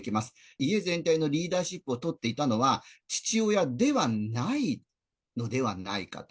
家全体のリーダーシップを取っていたのは、父親ではないのではないかと。